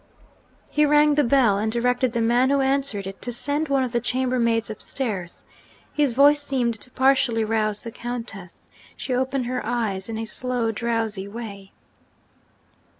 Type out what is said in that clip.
He rang the bell, and directed the man who answered it to send one of the chambermaids upstairs. His voice seemed to partially rouse the Countess; she opened her eyes in a slow drowsy way.